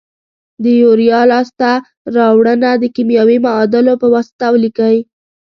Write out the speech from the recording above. د یوریا لاس ته راوړنه د کیمیاوي معادلو په واسطه ولیکئ.